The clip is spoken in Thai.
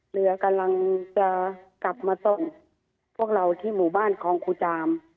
เรือกำลังจะกลับมาต้นพวกเราที่หมู่บ้านคลองครูจาม